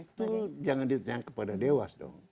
itu jangan ditanyakan kepada dewas dong